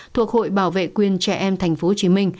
thuộc hội bảo vệ quyền trẻ em tp hcm